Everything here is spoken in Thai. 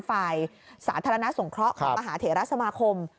ฝ่ายสาธารณสงเคราะห์ของมหาเถระสมาคม